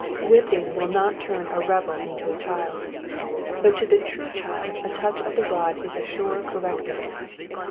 Whipping will not turn a rebel into a child ; but to the true child a touch of the rod is a sure corrective.